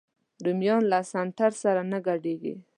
رومیان له سنتر سره نه ګډېږي